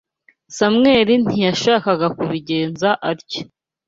Samweli ntiyashakaga kubigenza atyo